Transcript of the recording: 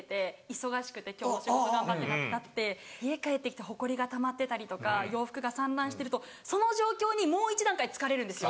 忙しくて今日も仕事頑張った！ってなったって家帰ってきてホコリがたまってたりとか洋服が散乱してるとその状況にもう一段階疲れるんですよ。